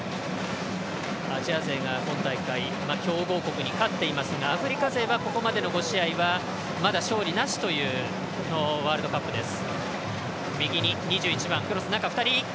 アジア勢が今大会強豪国に勝っていますがアフリカ勢はここまでの５試合はまだ勝利なしというワールドカップです。